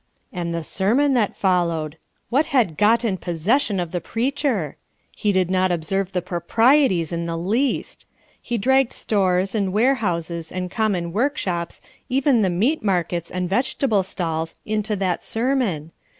And the sermon that followed! What had gotten possession of the preacher! He did not observe the proprieties in the least! He dragged stores, and warehouses, and common workshops, even the meat markets and vegetable stalls, into that sermon!